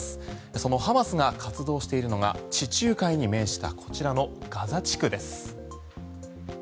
そのハマスが活動しているのが地中海に面したこちらのガザ地区です。